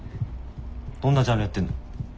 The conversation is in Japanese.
どんなジャンルやってんの？